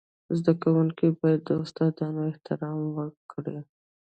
زده کوونکي باید د استادانو احترام وکړي.